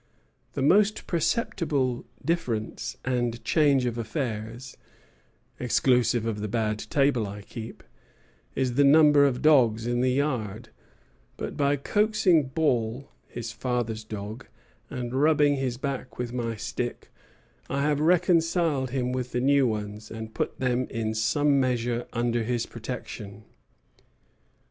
The most perceptible difference and change of affairs (exclusive of the bad table I keep) is the number of dogs in the yard; but by coaxing Ball [his father's dog] and rubbing his back with my stick, I have reconciled him with the new ones, and put them in some measure under his protection."